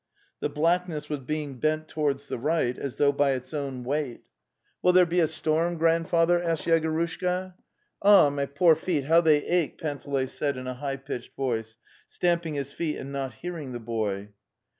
The blackness was being bent towards the right as though by its own weight. "Will there be a storm, Grandfather?" asked Yegorushka. '"Ah, my poor feet, how they ache!" Panteley said in a high pitched voice, stamping his feet and not hearing the boy.